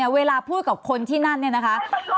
เวลาพูดกับคนที่นั่นนะคะ